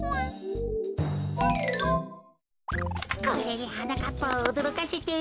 これではなかっぱをおどろかせて。